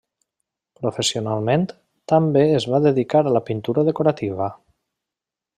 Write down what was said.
Professionalment, també es va dedicar a la pintura decorativa.